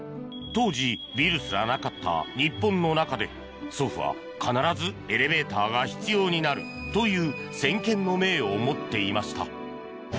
当時ビルすらなかった日本の中で祖父は必ずエレベーターが必要になるという先見の明を持っていました。